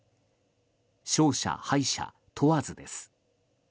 勝者、敗者問わずです。